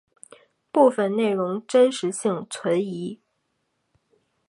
部分内容真实性存疑。